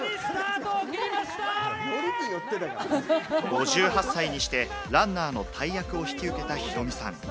５８歳にしてランナーの大役を引き受けたヒロミさん。